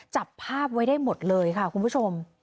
จับภาพไว้ได้หมดเลยค่ะคุณผู้ชม